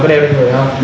có đeo lên người không